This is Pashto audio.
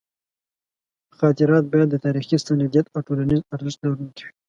خاطرات باید د تاریخي سندیت او ټولنیز ارزښت لرونکي وي.